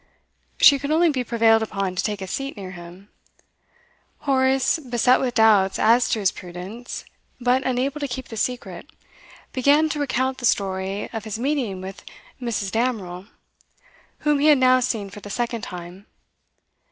She could only be prevailed upon to take a seat near him. Horace, beset with doubts as to his prudence, but unable to keep the secret, began to recount the story of his meeting with Mrs. Damerel, whom he had now seen for the second time.